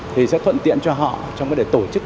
thì sẽ thuận tiện cho họ trong cái để tổ chức